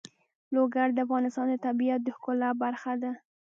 لوگر د افغانستان د طبیعت د ښکلا برخه ده.